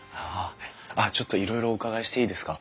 あっちょっといろいろお伺いしていいですか？